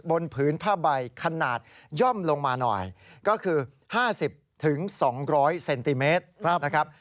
บนผืนผ้าใบขนาดย่อมลงมาหน่อยก็คือห้าสิบถึงสองร้อยเซนติเมตรครับ